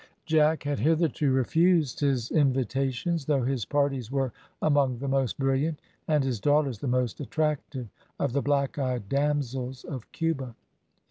Jack had hitherto refused his invitations, though his parties were among the most brilliant, and his daughters the most attractive of the black eyed damsels of Cuba.